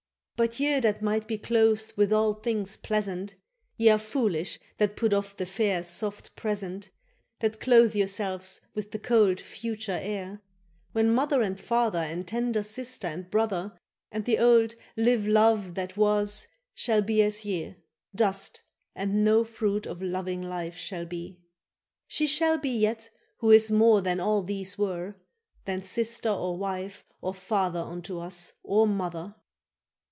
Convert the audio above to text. —But ye that might be clothed with all things pleasant, Ye are foolish that put off the fair soft present, That clothe yourselves with the cold future air; When mother and father and tender sister and brother And the old live love that was shall be as ye, Dust, and no fruit of loving life shall be. —She shall be yet who is more than all these were, Than sister or wife or father unto us or mother.